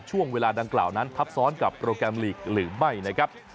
ช่วงเวลาดังกล่าวนั้นทับซ้อนกับโปรแกรมลีกหรือไม่นะครับ